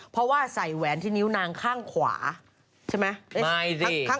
เพราะว่าใส่แหวนที่นิ้วนางข้างขวาใช่ไหม